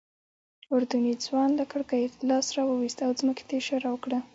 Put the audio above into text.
اردني ځوان له کړکۍ لاس راوویست او ځمکې ته یې اشاره وکړه.